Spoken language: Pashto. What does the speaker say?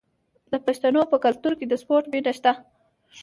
د پښتنو په کلتور کې د سپورت مینه شته.